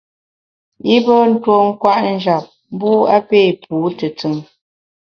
I pé tuo kwet njap, mbu a pé pu tùtùn.